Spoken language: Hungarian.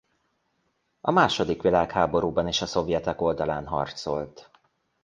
A második világháborúban is a szovjetek oldalán harcolt.